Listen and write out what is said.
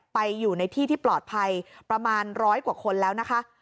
ไปอยู่ในที่ที่ปลอดภัยประมาณร้อยกว่าคนแล้วนะคะ